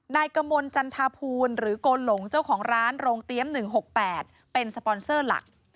นายกมลจันทาภูลหรือโกหลงเจ้าของร้านโรงเตรียม๑๖๘เป็นสปอนเซอร์หลัก